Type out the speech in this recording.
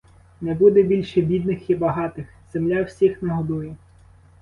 Не буде більше бідних і багатих, земля всіх нагодує.